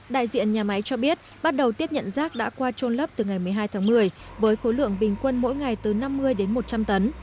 đại diện nhà máy cho biết bắt đầu tiếp nhận rác đã qua trôn lấp từ ngày một mươi hai tháng một mươi với khối lượng bình quân mỗi ngày từ năm mươi đến một trăm linh tấn